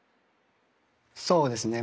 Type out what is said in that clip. そうですね